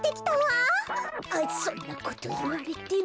あそんなこといわれても。